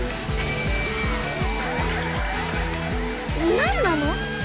何なの⁉